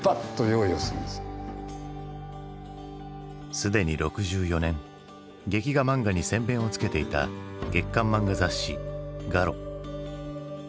すでに６４年劇画漫画に先べんをつけていた月刊漫画雑誌「ガロ」。